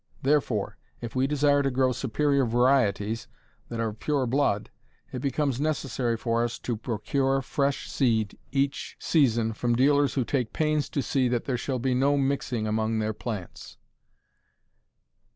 Therefore, if we desire to grow superior varieties that are of pure blood, it becomes necessary for us to procure fresh seed each season from dealers who take pains to see that there shall be no "mixing" among their plants.